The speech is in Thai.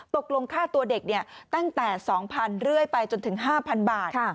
ตกลงค่าตัวเด็กตั้งแต่๒๐๐๐เรื่อยไปจนถึง๕๐๐บาท